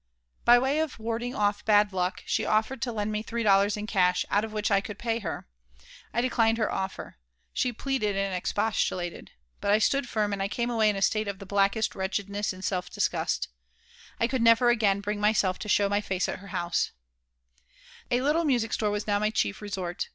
By way of warding off "bad luck," she offered to lend me three dollars in cash, out of which I could pay her. I declined her offer. She pleaded and expostulated. But I stood firm, and I came away in a state of the blackest wretchedness and self disgust I could never again bring myself to show my face at her house A little music store was now my chief resort.